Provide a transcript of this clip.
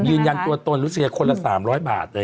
ยืนยันตัวตนคนละ๓๐๐บาท